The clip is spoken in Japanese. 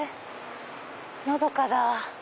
のどかだ。